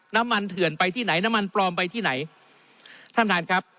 น้ำมันเถื่อนไปที่ไหนน้ำมันปลอมไปที่ไหนท่านท่านครับ